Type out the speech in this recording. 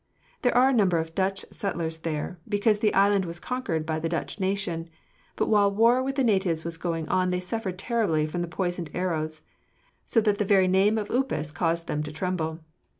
There are a number of Dutch settlers there, because the island was conquered by the Dutch nation, but while war with the natives was going on they suffered terribly from these poisoned arrows; so that the very name of upas caused them to tremble.